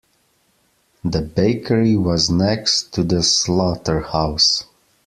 The bakery was next to the slaughterhouse.